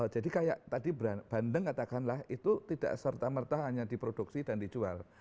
jadi kayak tadi bandeng katakanlah itu tidak serta merta hanya diproduksi dan dijual